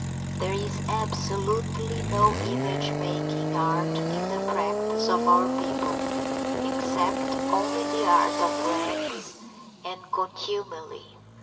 There is absolutely no image making art in the practice of our people, except only this art of rags and contumely.